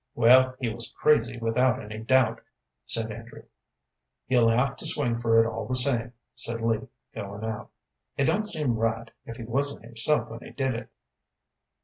"Well, he was crazy, without any doubt!" said Andrew. "He'll have to swing for it all the same," said Lee, going out. "It don't seem right, if he wasn't himself when he did it."